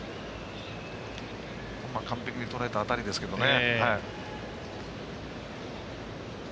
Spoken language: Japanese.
完璧にとらえた当たりですけどね。